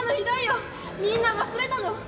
みんな忘れたの？